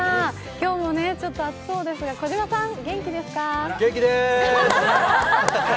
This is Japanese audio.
今日も暑そうですが、児嶋さん元気ですか？